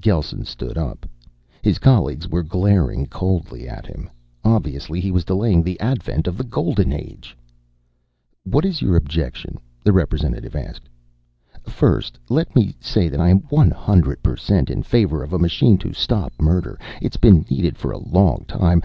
Gelsen stood up. His colleagues were glaring coldly at him. Obviously he was delaying the advent of the golden age. "What is your objection?" the representative asked. "First, let me say that I am one hundred per cent in favor of a machine to stop murder. It's been needed for a long time.